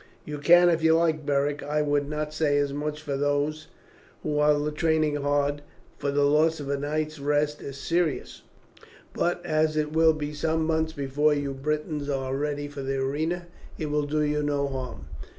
"You can if you like, Beric. I would not say as much for those who are training hard, for the loss of a night's rest is serious; but as it will be some months before you Britons are ready for the arena, it will do you no harm."